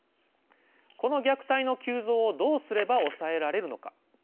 この虐待の急増をどうすれば抑えられるのか。